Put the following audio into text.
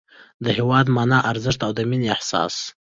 د هېواد مانا، ارزښت او د مینې احساس